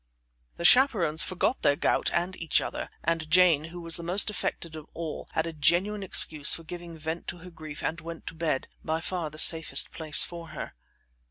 The chaperons forgot their gout and each other, and Jane, who was the most affected of all, had a genuine excuse for giving vent to her grief and went to bed by far the safest place for her.